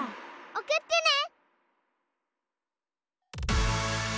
おくってね！